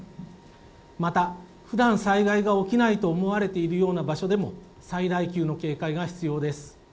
またふだん災害が起きないと思われているような場所でも、最大級の警戒が必要です。